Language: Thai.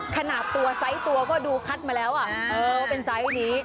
ขนาดตัวไซส์ตัวก็ดูคัดมาแล้วเป็นไซส์นี้